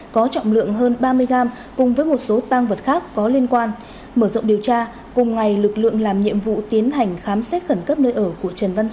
có trọng lượng hơn ba mươi gram cùng với một số tăng vật khác có liên quan mở rộng điều tra cùng ngày lực lượng làm nhiệm vụ tiến hành khám xét khẩn cấp nơi ở của trần văn sĩ